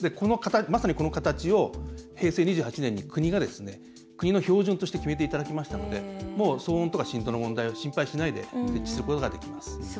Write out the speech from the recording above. まさにこの形を平成２８年に国の標準として決めていただきましたので騒音とか振動の問題は心配しないで設置することができます。